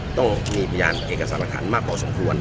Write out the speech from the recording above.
ถ้าเรายืดปุ๊บเนี่ยต้องมีบริญญาณเอกสารฐานมากกว่าสมควร